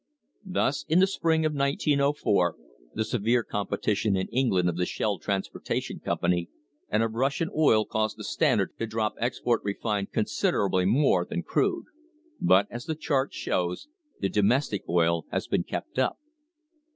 Thus, in the spring of 1904, the severe competition in England of the Shell Transportation Company and of Russian oil caused the Stand ard to drop export refined considerably more than crude. But, as the chart shows, domestic oil has been kept up.